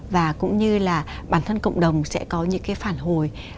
và cũng như là bản thân cộng đồng sẽ có những cái phản hồi